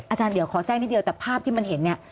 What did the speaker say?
อาจารย์เดี๋ยวขอแทรกนิดเดียวแต่ภาพที่มันเห็นเนี่ย